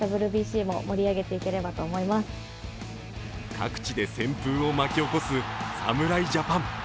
各地で旋風を巻き起こす侍ジャパン。